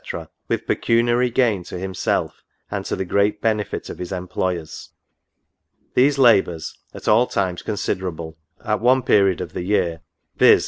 with pecuniary gain to himself,^ and to the great benefit of his employers. These labours (at all times considerable) at one period of the year, viz. be NOTES.